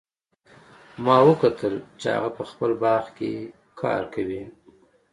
ما وکتل چې هغه په خپل باغ کې کار کوي